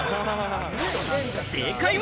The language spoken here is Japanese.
正解は。